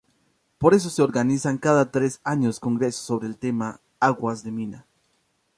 Por eso se organizan cada tres años congresos sobre el tema aguas de mina.